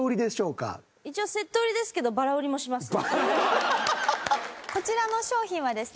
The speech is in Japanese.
一応セット売りですけどこちらの商品はですね